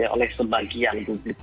tapi oleh sebagian publik